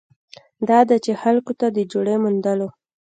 دا ده چې خلکو ته د جوړې موندلو